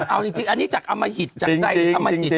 เอาจริงอันนี้จากอมหิตจากใจอมหิต